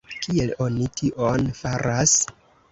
Kiel oni tion faras?